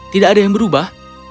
tidak ada yang berubah